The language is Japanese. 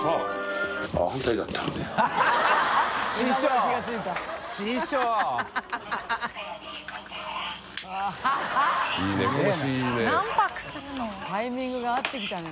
久本）タイミングが合ってきたね